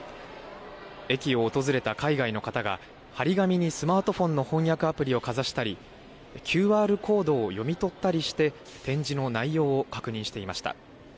駅を訪れた海外の方が貼り紙にスマートフォンの翻訳アプリをかざしたりＱＲコードを読み取ったりして展示の内容を確認していました。